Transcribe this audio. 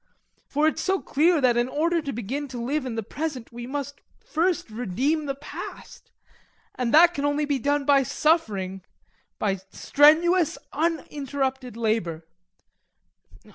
For it's so clear that in order to begin to live in the present we must first redeem the past, and that can only be done by suffering, by strenuous, uninterrupted labour.